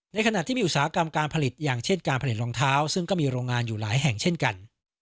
ขณะที่มีอุตสาหกรรมการผลิตอย่างเช่นการผลิตรองเท้าซึ่งก็มีโรงงานอยู่หลายแห่งเช่นกัน